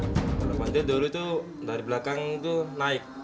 kalau panti dulu itu dari belakang itu naik